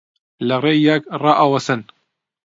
لە ڕێی یەک ڕائەوەسن